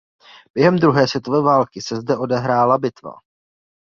Během druhé světové války se zde odehrála bitva.